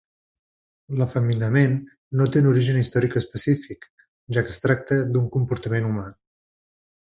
L'efeminament no té un origen històric específic, ja que es tracta d'un comportament humà.